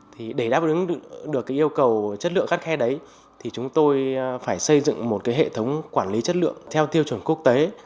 thì để đáp ứng được cái yêu cầu chất lượng khắt khe đấy thì chúng tôi phải xây dựng một cái hệ thống quản lý chất lượng theo tiêu chuẩn quốc tế